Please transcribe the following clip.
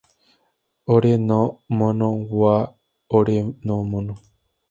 Ore no mono wa ore no mono.